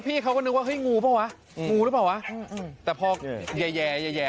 พี่เขาก็นึกว่าให้งูป่ะวะมึงรึเปล่าอ่ะแต่พ่อเย็นแย่แย่